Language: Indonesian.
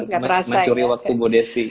protesi waktu bo desy